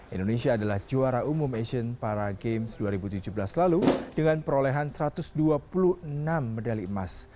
indonesia adalah juara umum asian para games dua ribu tujuh belas lalu dengan perolehan satu ratus dua puluh enam medali emas